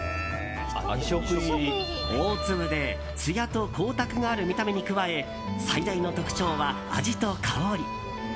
大粒でつやと光沢がある見た目に加え最大の特徴は味と香り。